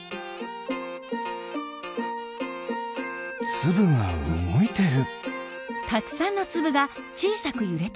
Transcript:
つぶがうごいてる！